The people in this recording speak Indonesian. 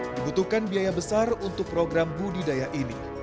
dibutuhkan biaya besar untuk program budidaya ini